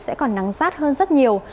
sẽ còn nắng sát hơn rất nhiều